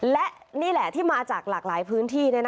และนี่แหละที่มาจากหลากหลายพื้นที่